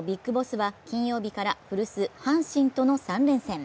ＢＩＧＢＯＳＳは、金曜日から古巣・阪神との３連戦。